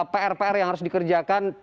pr pr yang harus dikerjakan